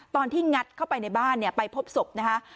ที่งัดเข้าไปในบ้านไปพบศพนะคะ